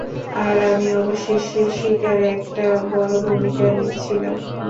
আর আমি অবশেষে শিকারে একটা বড় ভূমিকা নিচ্ছিলাম।